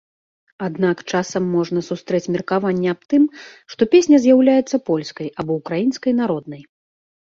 Аднак часам можна сустрэць меркаванне аб тым, што песня з'яўляецца польскай або ўкраінскай народнай.